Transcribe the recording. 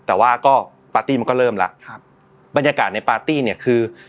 แต่ว่าก็ปาร์ตี้มันก็เริ่มแล้วครับบรรยากาศในปาร์ตี้เนี่ยคือ